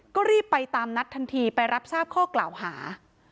ก็รีบไปตามนัดทันทีไปรับทราบข้อกล่าวหา